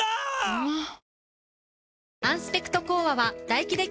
うまっ！！